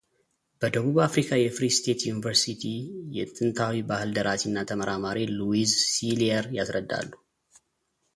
በደቡብ አፍሪካ የፍሪ ስቴት ዩኒቨርስቱ የጥንታዊ ባህል ደራሲ እና ተመራማሪ ሉዊዝ ሲሊየር ያስረዳሉ።